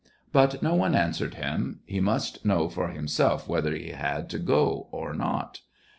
But no one answered him : he must know for himself whether he had to go or not.